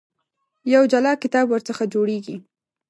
یو جلا کتاب ورڅخه جوړېږي.